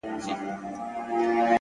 رښتیا تل بریا مومي!